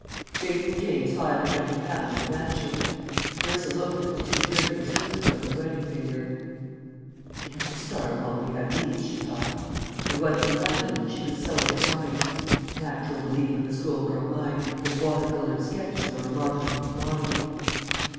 Faithful Jane's five and twenty pounds were vanishing. Clarissa looked at the two glittering circlets on her wedding finger. "We cannot starve while we have these," she thought; and once in London, she could sell her drawings. Natural belief of the school girl mind, that water coloured sketches are a marketable commodity!